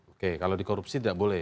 oke kalau di korupsi tidak boleh